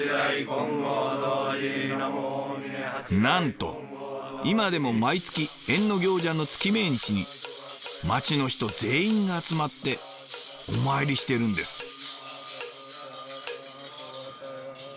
なんと今でも毎月役行者の月命日に町の人全員が集まってお参りしてるんです。